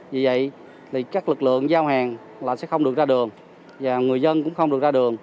vì vậy các lực lượng giao hàng là sẽ không được ra đường và người dân cũng không được ra đường